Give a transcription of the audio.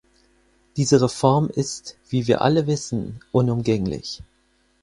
Diese Reform ist, wie wir alle wissen, unumgänglich.